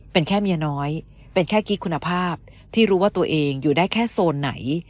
เป็นแค่เมียน้อยเป็นแค่กิ๊กคุณภาพที่รู้ว่าตัวเองอยู่ได้แค่โซนไหน